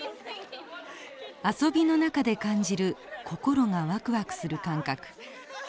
遊びの中で感じる心がわくわくする感覚。